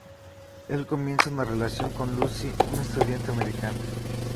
Él comienza una relación con Lucy, una estudiante americana.